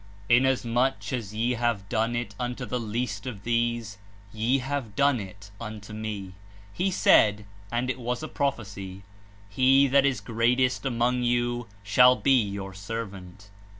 "Inasmuch as ye have done it unto the least of these, ye have done it unto me,'' He said — and It was a prophecy — "He that is greatest among you shall he your servant."